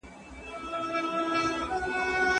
د نړۍ له پیل راهیسې بې شمېره کوچنۍ تیږې له فضا راغلي دي.